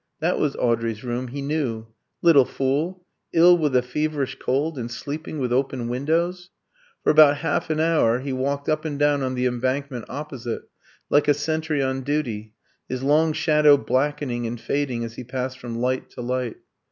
That was Audrey's room, he knew. Little fool! Ill with a feverish cold, and sleeping with open windows! For about half an hour he walked up and down on the Embankment opposite, like a sentry on duty, his long shadow blackening and fading as he passed from light to light.